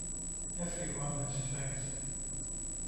Everyone has strengths.